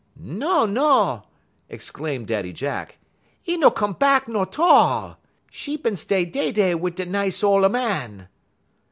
"No no!" exclaimed Daddy Jack, "'e no come bahck no'n 't all. 'E bin stay dey dey wit' 'e nice ole a màn."